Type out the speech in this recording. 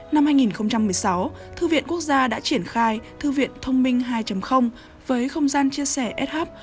năm hai nghìn một mươi sáu thư viện quốc gia đã triển khai thư viện thông minh hai với không gian chia sẻ adhup